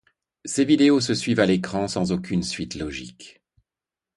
Ces vidéos se suivent à l'écran sans aucune suite logique.